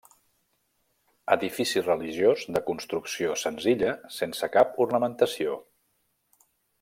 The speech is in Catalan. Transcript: Edifici religiós de construcció senzilla sense cap ornamentació.